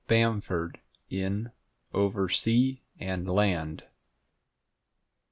Bamford, in "Over Sea and Land."